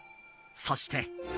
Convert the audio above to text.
そして。